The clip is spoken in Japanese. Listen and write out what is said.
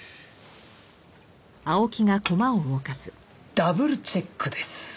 ダブルチェックです。